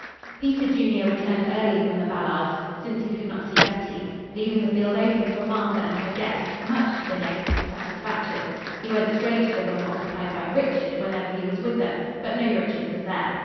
Peter Junior returned early from the Ballards', since he could not see Betty, leaving the field open for Martha and her guest, much to the guest's satisfaction. He went straight to the room occupied by Richard whenever he was with them, but no Richard was there.